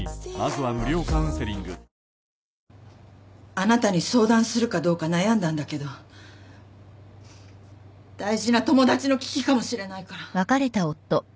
あなたに相談するかどうか悩んだんだけど大事な友達の危機かもしれないから。